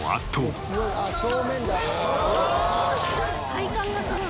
体幹がすごい。